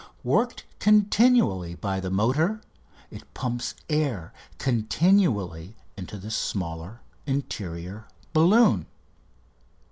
Worked continually by the motor, it pumps air continually into the smaller interior balloon.